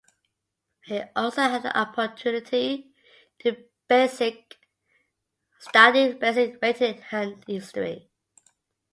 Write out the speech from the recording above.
He also had the opportunity to study basic writing and history.